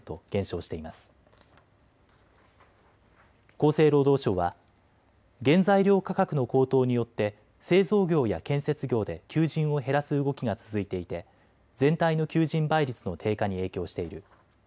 厚生労働省は原材料価格の高騰によって製造業や建設業で求人を減らす動きが続いていて全体の求人倍率の低下に影響している。